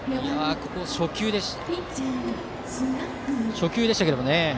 初球でしたけど。